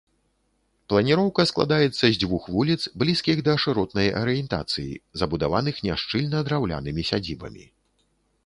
Планіроўка складаецца з дзвюх вуліц, блізкіх да шыротнай арыентацыі, забудаваных няшчыльна драўлянымі сядзібамі.